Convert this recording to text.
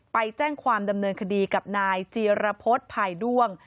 ไปแจ้งความดำเนินคดีกับนายจีรพฤษภายด้วง